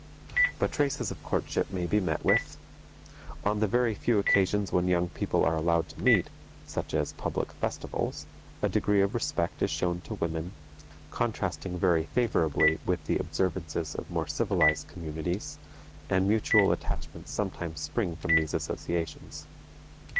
But traces of courtship may be met with. On the very few occasions when young people are allowed to meet, such as public festivals, a degree of respect is shown to women contrasting very favorably with the observances of more civilized communities, and mutual attachments sometimes spring from these associations.